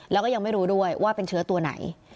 แล้วก็ยังไม่รู้ด้วยว่าเป็นเชื้อตัวไหน